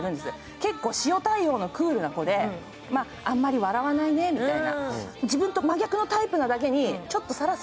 結構、塩対応のクールの子であまり笑わないね、みたいな。